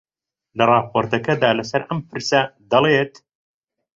لە ڕاپۆرتەکەیدا لەسەر ئەم پرسە دەڵێت: